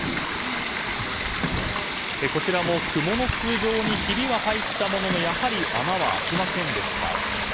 こちらもクモの巣状にひびは入ったもののやはり穴は開きませんでした。